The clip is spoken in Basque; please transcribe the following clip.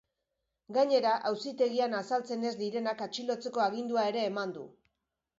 Gainera, auzitegian azaltzen ez direnak atxilotzeko agindua ere eman du.